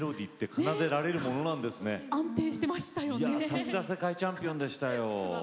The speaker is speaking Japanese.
さすが世界チャンピオンでしたよ。